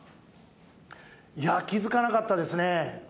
いや、気づかなかったですね。